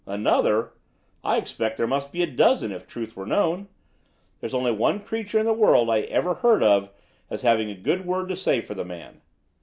"Another? I expect there must be a dozen, if the truth were known. There's only one creature in the world I ever heard of as having a good word to say for the man."